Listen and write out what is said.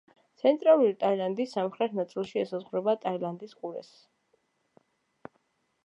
ცენტრალური ტაილანდი სამხრეთ ნაწილში ესაზღვრება ტაილანდის ყურე.